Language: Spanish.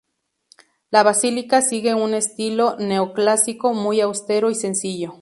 La basílica sigue un estilo neoclásico muy austero y sencillo.